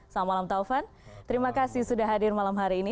selamat malam taufan terima kasih sudah hadir malam hari ini